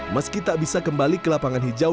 meski tak bisa kembali ke lapangan hijau